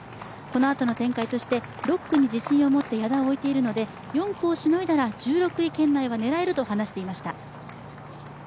このあとの展開として、６区に自信を持って矢田を置いているので、４区をしのいだら１６位圏内は狙えると話していました。